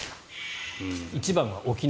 １番は沖縄。